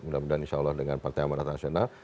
mudah mudahan insya allah dengan partai amanat nasional